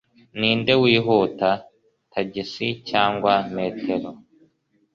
Ninde wihuta, tagisi cyangwa metero?